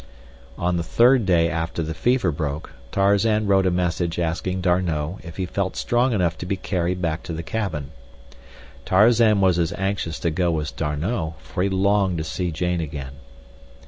On the third day after the fever broke Tarzan wrote a message asking D'Arnot if he felt strong enough to be carried back to the cabin. Tarzan was as anxious to go as D'Arnot, for he longed to see Jane again.